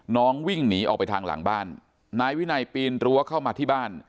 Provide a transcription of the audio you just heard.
วิ่งหนีออกไปทางหลังบ้านนายวินัยปีนรั้วเข้ามาที่บ้าน